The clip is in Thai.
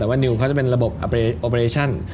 แต่ว่านิวเขาจะเป็นระบบโอเปรชั่น